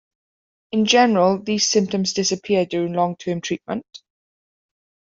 In general, these symptoms disappear during long-term treatment.